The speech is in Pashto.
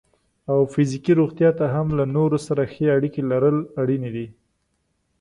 او فزیکي روغتیا ته هم له نورو سره ښې اړیکې لرل اړینې دي.